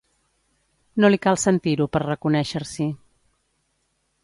No li cal sentir-ho per reconèixer-s'hi.